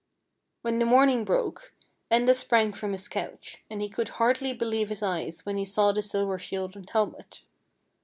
When the morning broke, Enda sprang from his couch, and he could hardly believe his eyes when he saw the silver shield and helmet.